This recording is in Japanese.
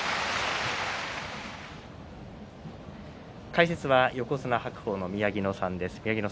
解説は横綱白鵬の宮城野さんです。